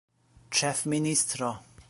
ĉefministro